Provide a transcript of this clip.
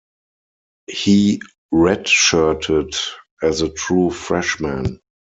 He redshirted as a true freshman.